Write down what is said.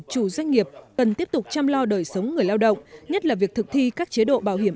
chủ doanh nghiệp cần tiếp tục chăm lo đời sống người lao động nhất là việc thực thi các chế độ bảo hiểm